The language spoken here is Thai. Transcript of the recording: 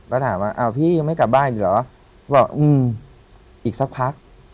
แล้วถามว่าพี่ยังไม่กลับบ้านดีเหรอเขาบอกอืมอีกซักพัก